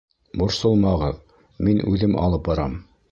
Борсолмағыҙ, мин үҙем алып барам.